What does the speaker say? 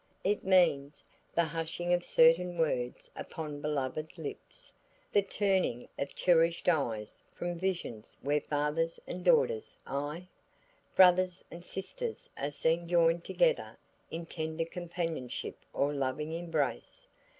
It means, the hushing of certain words upon beloved lips; the turning of cherished eyes from visions where fathers and daughters ay, brothers and sisters are seen joined together in tender companionship or loving embrace.